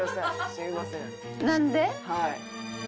すみません。